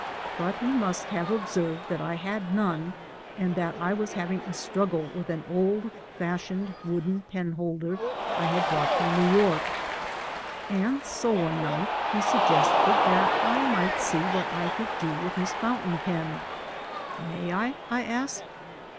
But he must have observed that I had none and that I was having a struggle with an old fashioned wooden penholder I had brought from New York, and so one night he suggested that I might see what I could do with his foimtain pen. "May I? I asked.